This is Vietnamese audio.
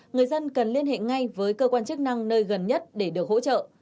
người dân cần liên hệ ngay với cơ quan chức năng nơi gần nhất để được hỗ trợ